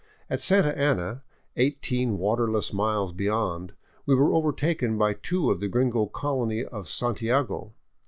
At Santa Ana, eighteen waterless miles beyond, we were overtaken by two of the gringo colony of Santiago.